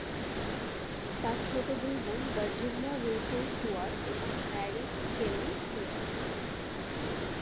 তার ছোট দুই বোন ভার্জিনিয়া উইলসন স্টুয়ার্ট এবং ম্যারি কেলি স্টুয়ার্ট।